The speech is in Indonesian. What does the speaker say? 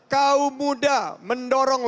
kaum muda mendorong